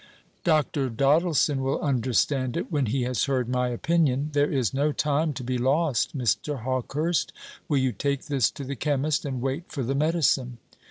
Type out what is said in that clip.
"Dr. Doddleson will understand it when he has heard my opinion. There is no time to be lost Mr. Hawkehurst, will you take this to the chemist, and wait for the medicine?